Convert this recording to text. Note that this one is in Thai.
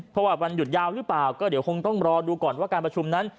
เพราะว่าวันหยุดยาวหรือเปล่าก็เดี๋ยวคงต้องรอดูก่อนว่าการประชุมนั้น